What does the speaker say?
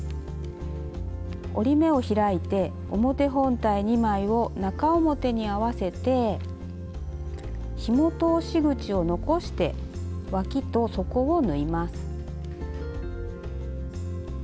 折り目を開いて表本体２枚を中表に合わせてひも通し口を残してわきと底を縫います。